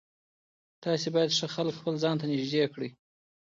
تاسو باید ښه خلک خپل ځان ته نږدې کړئ.